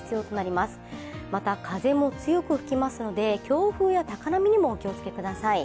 また、風も強く吹きますので強風や高波にもお気をつけください。